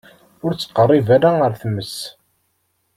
Ur ttqeṛṛib ara ar tmes.